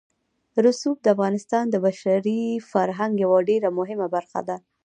رسوب د افغانستان د بشري فرهنګ یوه ډېره مهمه برخه ده.